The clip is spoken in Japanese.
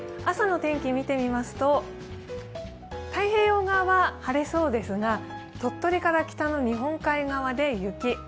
朝の天気、見てみますと太平洋側は晴れそうですが鳥取から北の日本海側で雪。